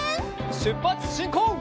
しゅっぱつしんこう！